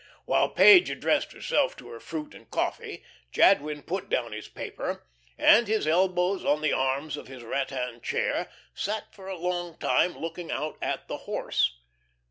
While Page addressed herself to her fruit and coffee, Jadwin put down his paper, and, his elbows on the arms of his rattan chair, sat for a long time looking out at the horse.